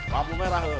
kamu merah lo